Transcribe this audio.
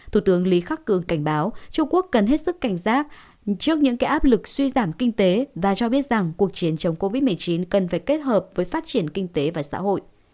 thủ tướng lý khắc cường cảnh báo trung quốc cần hết sức cảnh giác trước những áp lực suy giảm kinh tế và cho biết rằng cuộc chiến chống covid một mươi chín cần phải kết hợp với phát triển kinh tế và xã hội